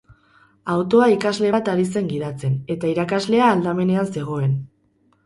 Autoa ikasle bat ari zen gidatzen, eta irakaslea aldamenean zegoen.